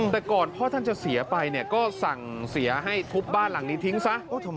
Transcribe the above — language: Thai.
แต่ก่อนพ่อท่านจะเสียไปเนี่ยก็สั่งเสียให้ทุบบ้านหลังนี้ทิ้งซะ